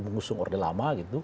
mengusung orde lama gitu